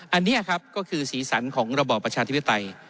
อันนี้ครับก็คือสีสันของระบอบประชาธิปไตย